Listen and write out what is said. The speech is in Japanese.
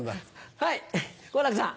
はい好楽さん。